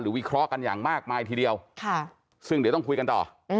วิเคราะห์กันอย่างมากมายทีเดียวซึ่งเดี๋ยวต้องคุยกันต่อ